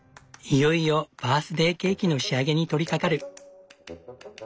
いよいよバースデーケーキの仕上げに取りかかる。